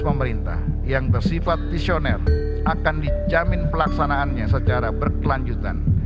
pemerintah yang bersifat visioner akan dijamin pelaksanaannya secara berkelanjutan